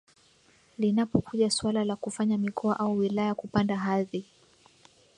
linapokuja suala la kufanya mikoa au wilaya kupanda hadhi